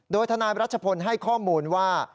โดยทนายรัชพลให้ข้อมูลว่า